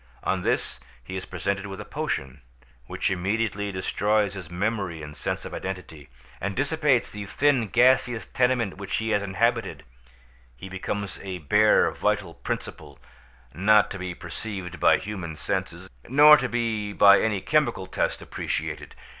On this he is presented with a potion, which immediately destroys his memory and sense of identity, and dissipates the thin gaseous tenement which he has inhabited: he becomes a bare vital principle, not to be perceived by human senses, nor to be by any chemical test appreciated.